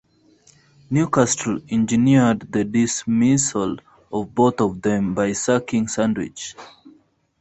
Newcastle engineered the dismissal of both of them, by sacking Sandwich.